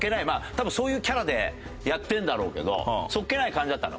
多分そういうキャラでやってるんだろうけどそっけない感じだったの。